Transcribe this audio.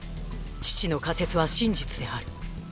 父の仮説は真実である。